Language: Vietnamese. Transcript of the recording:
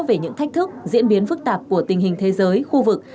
về những thách thức diễn biến phức tạp của tình hình thế giới khu vực